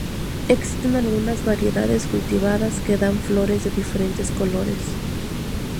Existen algunas variedades cultivadas que dan flores de diferentes colores.